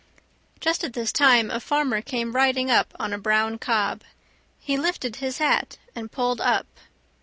Just at this time a farmer came riding up on a brown cob. He lifted his hat and pulled up.